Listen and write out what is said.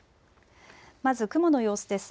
まず雲の様子です。